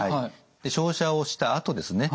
で照射をしたあとですね